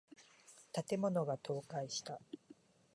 建物が倒壊した。